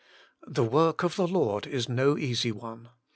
This w^ork of the Lord is no easy one.